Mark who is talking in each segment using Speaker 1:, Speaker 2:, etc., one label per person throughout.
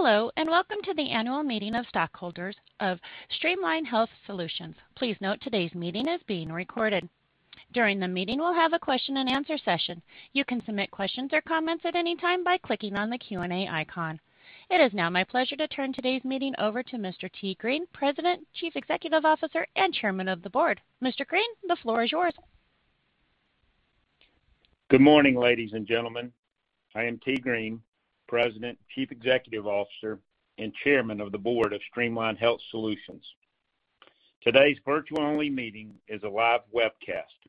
Speaker 1: Hello, and welcome to the annual meeting of stockholders of Streamline Health Solutions. Please note today's meeting is being recorded. During the meeting, we'll have a question and answer session. You can submit questions or comments at any time by clicking on the Q&A icon. It is now my pleasure to turn today's meeting over to Mr. Tee Green, President, Chief Executive Officer, and Chairman of the Board. Mr. Green, the floor is yours.
Speaker 2: Good morning, ladies and gentlemen. I am Tee Green, President, Chief Executive Officer, and Chairman of the Board of Streamline Health Solutions. Today's virtual-only meeting is a live webcast.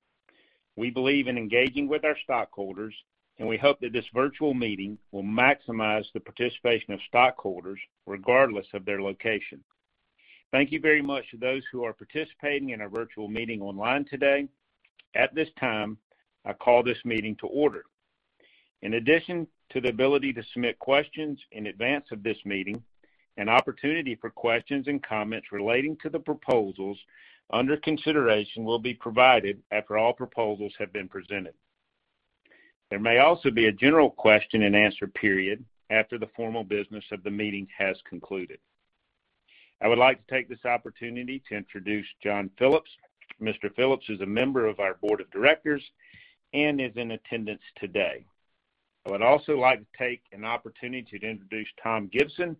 Speaker 2: We believe in engaging with our stockholders, and we hope that this virtual meeting will maximize the participation of stockholders regardless of their location. Thank you very much to those who are participating in our virtual meeting online today. At this time, I call this meeting to order. In addition to the ability to submit questions in advance of this meeting, an opportunity for questions and comments relating to the proposals under consideration will be provided after all proposals have been presented. There may also be a general question-and-answer period after the formal business of the meeting has concluded. I would like to take this opportunity to introduce John Phillips. Mr. Phillips is a member of our board of directors and is in attendance today. I would also like to take an opportunity to introduce Tom Gibson,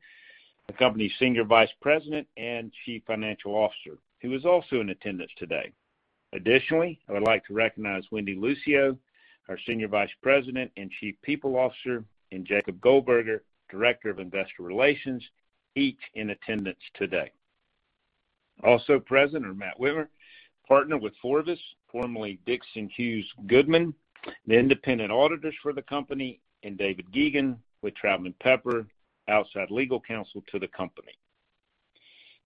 Speaker 2: the company's Senior Vice President and Chief Financial Officer, who is also in attendance today. Additionally, I would like to recognize Wendy Lucio, our Senior Vice President and Chief People Officer, and Jacob Goldberger, Director of Investor Relations, each in attendance today. Also present are Matt Wimmer, partner with Forvis, formerly Dixon Hughes Goodman, the independent auditors for the company, and David Ghegan with Troutman Pepper, outside legal counsel to the company.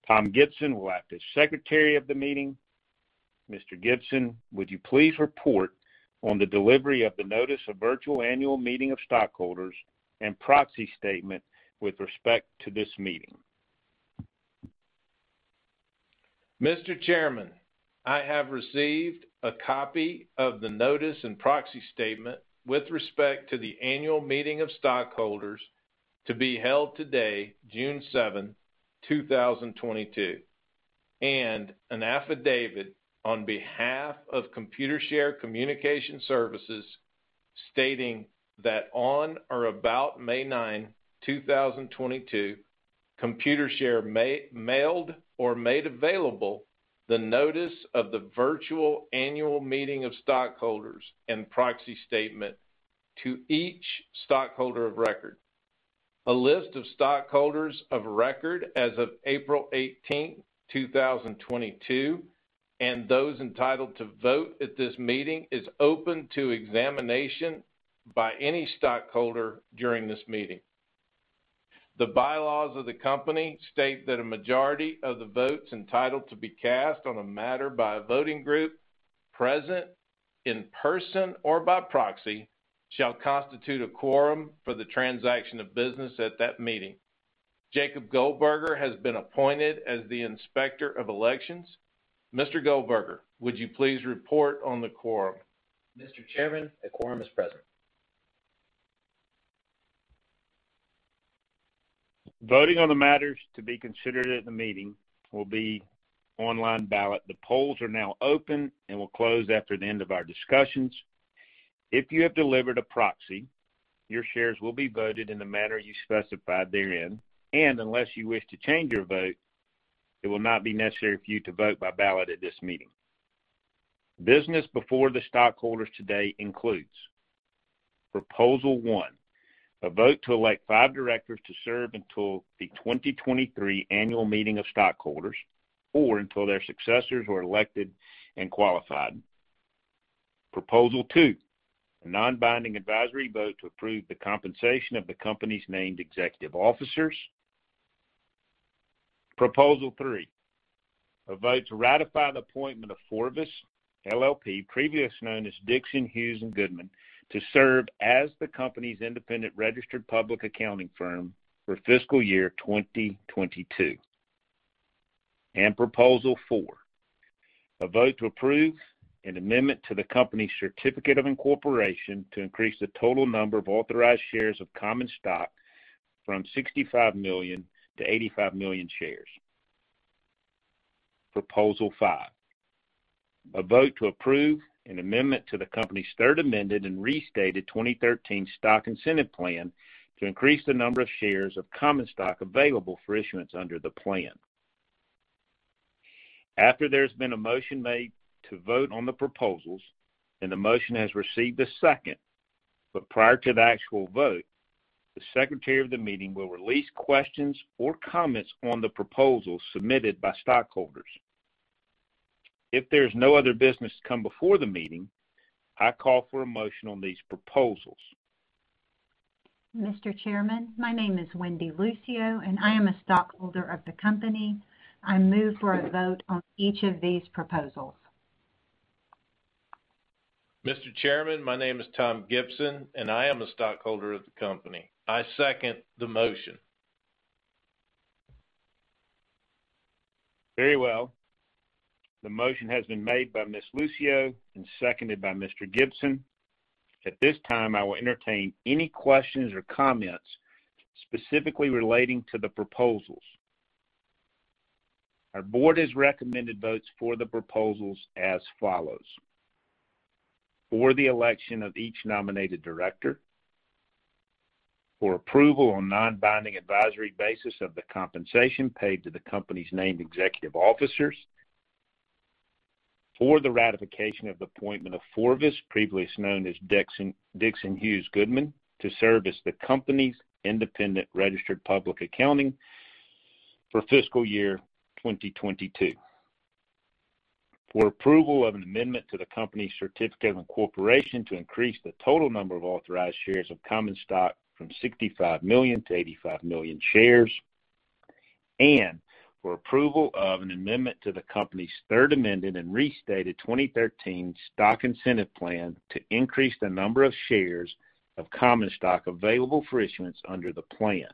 Speaker 2: Tom Gibson will act as Secretary of the meeting. Mr. Gibson, would you please report on the delivery of the notice of virtual annual meeting of stockholders and proxy statement with respect to this meeting?
Speaker 3: Mr. Chairman, I have received a copy of the notice and proxy statement with respect to the annual meeting of stockholders to be held today, June 7, 2022, and an affidavit on behalf of Computershare Communication Services stating that on or about May 9, 2022, Computershare mailed or made available the notice of the virtual annual meeting of stockholders and proxy statement to each stockholder of record. A list of stockholders of record as of April 18, 2022, and those entitled to vote at this meeting is open to examination by any stockholder during this meeting. The bylaws of the company state that a majority of the votes entitled to be cast on a matter by a voting group present in person or by proxy shall constitute a quorum for the transaction of business at that meeting. Jacob Goldberger has been appointed as the Inspector of Elections. Mr. Goldberger, would you please report on the quorum?
Speaker 4: Mr. Chairman, the quorum is present.
Speaker 2: Voting on the matters to be considered at the meeting will be online ballot. The polls are now open and will close after the end of our discussions. If you have delivered a proxy, your shares will be voted in the manner you specified therein, and unless you wish to change your vote, it will not be necessary for you to vote by ballot at this meeting. Business before the stockholders today includes Proposal One, a vote to elect five directors to serve until the 2023 annual meeting of stockholders or until their successors are elected and qualified. Proposal Two, a non-binding advisory vote to approve the compensation of the company's named executive officers. Proposal Three, a vote to ratify the appointment of Forvis, LLP, previously known as Dixon Hughes Goodman, to serve as the company's independent registered public accounting firm for fiscal year 2022. Proposal Four, a vote to approve an amendment to the company's certificate of incorporation to increase the total number of authorized shares of common stock from 65 million shares to 85 million shares. Proposal Five, a vote to approve an amendment to the company's third amended and restated 2013 stock incentive plan to increase the number of shares of common stock available for issuance under the plan. After there's been a motion made to vote on the proposals and the motion has received a second, but prior to the actual vote, the Secretary of the meeting will release questions or comments on the proposals submitted by stockholders. If there's no other business to come before the meeting, I call for a motion on these proposals.
Speaker 5: Mr. Chairman, my name is Wendy Lucio, and I am a stockholder of the company. I move for a vote on each of these proposals.
Speaker 3: Mr. Chairman, my name is Tom Gibson, and I am a stockholder of the company. I second the motion.
Speaker 2: Very well. The motion has been made by Ms. Lucio and seconded by Mr. Gibson. At this time, I will entertain any questions or comments specifically relating to the proposals. Our board has recommended votes for the proposals as follows. For the election of each nominated director. For approval on non-binding advisory basis of the compensation paid to the company's named executive officers. For the ratification of appointment of Forvis, previously known as Dixon Hughes Goodman, to serve as the company's independent registered public accounting firm for fiscal year 2022. For approval of an amendment to the company's certificate of incorporation to increase the total number of authorized shares of common stock from 65 million shares to 85 million shares. For approval of an amendment to the company's third amended and restated 2013 stock incentive plan to increase the number of shares of common stock available for issuance under the plan.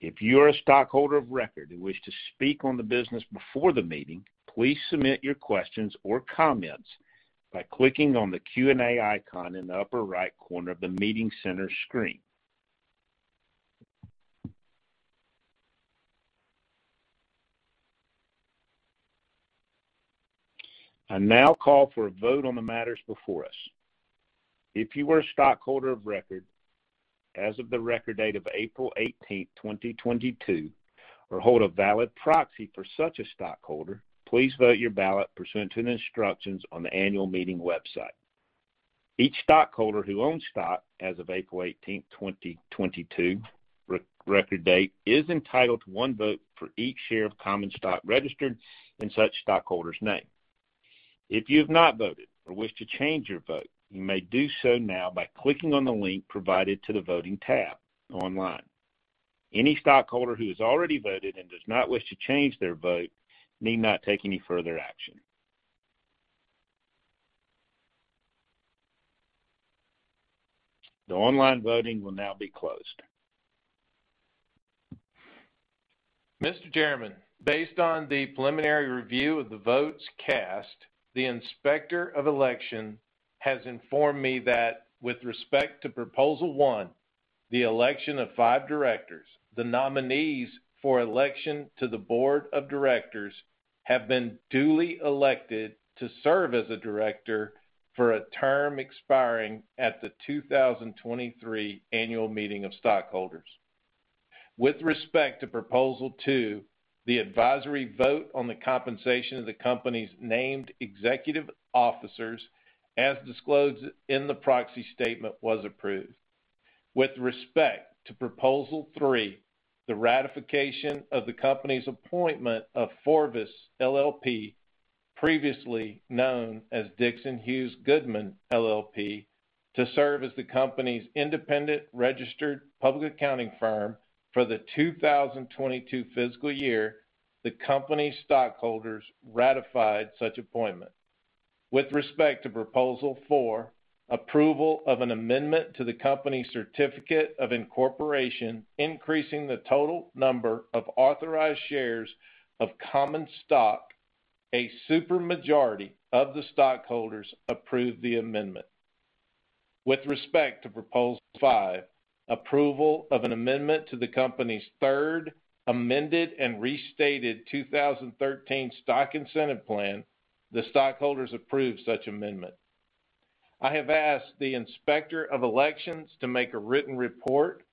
Speaker 2: If you are a stockholder of record and wish to speak on the business before the meeting, please submit your questions or comments by clicking on the Q&A icon in the upper right corner of the meeting center screen. I now call for a vote on the matters before us. If you are a stockholder of record as of the record date of April 18, 2022, or hold a valid proxy for such a stockholder, please vote your ballot pursuant to the instructions on the annual meeting website. Each stockholder who owns stock as of April 18, 2022 record date, is entitled to one vote for each share of common stock registered in such stockholder's name. If you've not voted or wish to change your vote, you may do so now by clicking on the link provided to the Voting tab online. Any stockholder who has already voted and does not wish to change their vote need not take any further action. The online voting will now be closed.
Speaker 3: Mr. Chairman, based on the preliminary review of the votes cast, the Inspector of Election has informed me that with respect to Proposal One, the election of five directors, the nominees for election to the Board of Directors have been duly elected to serve as a director for a term expiring at the 2023 annual meeting of stockholders. With respect to Proposal Two, the advisory vote on the compensation of the company's named executive officers, as disclosed in the proxy statement, was approved. With respect to Proposal Three, the ratification of the company's appointment of Forvis, LLP, previously known as Dixon Hughes Goodman LLP, to serve as the company's independent registered public accounting firm for the 2022 fiscal year, the company's stockholders ratified such appointment. With respect to Proposal Four, approval of an amendment to the company's certificate of incorporation, increasing the total number of authorized shares of common stock, a super majority of the stockholders approved the amendment. With respect to Proposal Five, approval of an amendment to the company's third amended and restated 2013 stock incentive plan, the stockholders approved such amendment. I have asked the Inspector of Elections to make a written report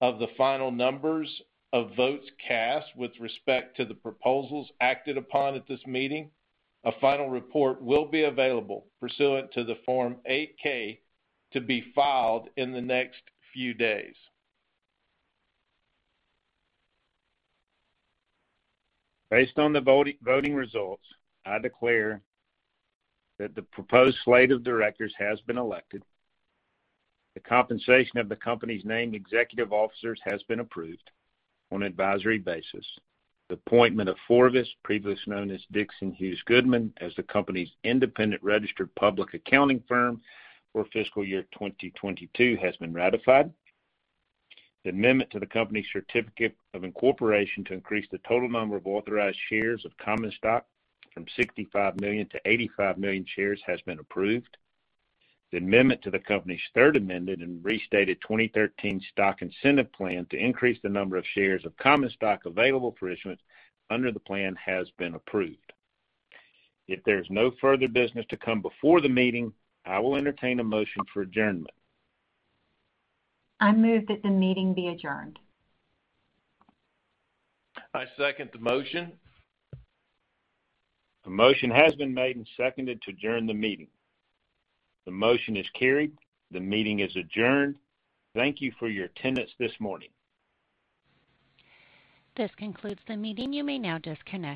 Speaker 3: of the final numbers of votes cast with respect to the proposals acted upon at this meeting. A final report will be available pursuant to the Form 8-K to be filed in the next few days.
Speaker 2: Based on the voting results, I declare that the proposed slate of directors has been elected. The compensation of the company's named executive officers has been approved on an advisory basis. The appointment of Forvis, previously known as Dixon Hughes Goodman, as the company's independent registered public accounting firm for fiscal year 2022 has been ratified. The amendment to the company's certificate of incorporation to increase the total number of authorized shares of common stock from 65 million shares to 85 million shares has been approved. The amendment to the company's third amended and restated 2013 stock incentive plan to increase the number of shares of common stock available for issuance under the plan has been approved. If there's no further business to come before the meeting, I will entertain a motion for adjournment.
Speaker 5: I move that the meeting be adjourned.
Speaker 3: I second the motion.
Speaker 2: A motion has been made and seconded to adjourn the meeting. The motion is carried. The meeting is adjourned. Thank you for your attendance this morning.
Speaker 1: This concludes the meeting. You may now disconnect.